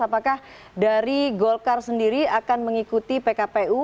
apakah dari golkar sendiri akan mengikuti pkpu